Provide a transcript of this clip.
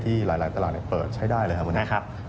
ที่หลายตลาดเปิดใช้ได้เลยครับวันนี้